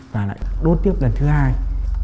và lại đốt tiếp lần thứ hai